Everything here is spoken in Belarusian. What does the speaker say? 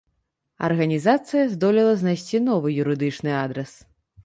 Арганізацыя здолела знайсці новы юрыдычны адрас.